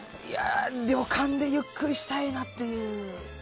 旅館でゆっくりしたいなっていう。